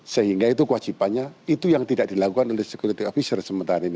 sehingga itu kewajibannya itu yang tidak dilakukan oleh security officer sementara ini